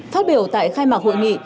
phát biểu tại khai mạc hội nghị